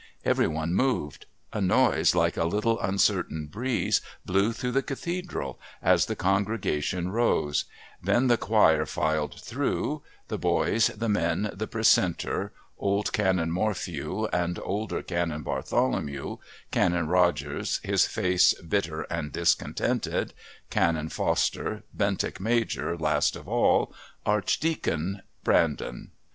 Every one moved; a noise like a little uncertain breeze blew through the Cathedral as the congregation rose; then the choir filed through, the boys, the men, the Precentor, old Canon Morphew and older Canon Batholomew, Canon Rogers, his face bitter and discontented, Canon Foster, Bentinck Major, last of all, Archdeacon Brandon.